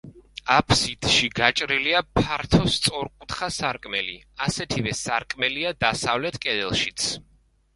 აფსიდში გაჭრილია ფართო სწორკუთხა სარკმელი; ასეთივე სარკმელია დასავლეთ კედელშიც.